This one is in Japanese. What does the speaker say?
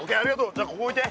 じゃあここおいて。